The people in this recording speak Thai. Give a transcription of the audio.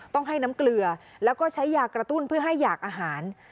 ต้องให้น้ำเกลือแล้วก็ใช้ยากระตุ้นเพื่อให้อยากอาหาร